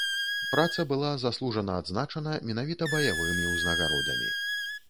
Праца была заслужана адзначана менавіта баявымі ўзнагародамі.